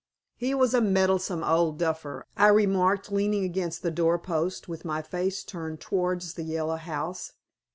"He was a meddlesome old duffer," I remarked, leaning against the door post with my face turned towards the Yellow House.